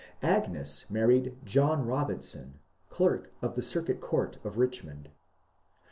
^ Agnes married John Robinson, clerk of the Circuit Court of Sichmond.